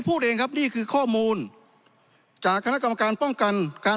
พูดเองครับนี่คือข้อมูลจากคณะกรรมการป้องกันการ